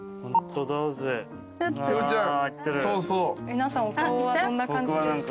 皆さんお顔はどんな感じでした？